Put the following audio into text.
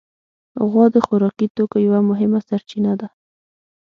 غوا د خوراکي توکو یوه مهمه سرچینه ده.